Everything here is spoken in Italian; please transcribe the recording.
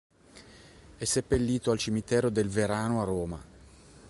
È seppellito al Cimitero del Verano a Roma.